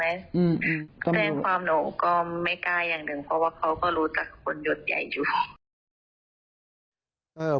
แจ้งความหนูก็ไม่กล้าอย่างหนึ่งเพราะว่าเขาก็รู้จักคนหยดใหญ่อยู่